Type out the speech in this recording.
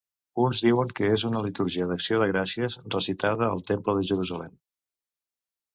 Uns diuen que és una litúrgia d'acció de gràcies recitada al Temple de Jerusalem.